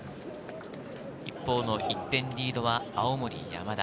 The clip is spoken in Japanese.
一方、１点リードは青森山田。